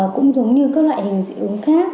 cũng giống như các loại hình dị ứng khác